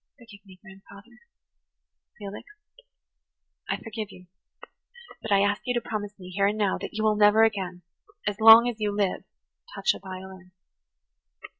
Forgive me, grandfather." "Felix, I forgive you, but I ask you to promise me, here and now, that you will never again, as long as you live, touch a violin."